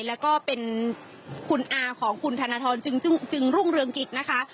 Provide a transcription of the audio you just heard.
แล้วก็เป็นคุณอาของคุณธนทรจึงรุ่งเรืองกิจนะคะ